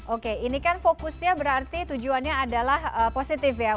oke ini kan fokusnya berarti tujuannya adalah positif ya